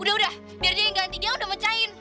udah udah biar aja yang ganti dia udah mecahin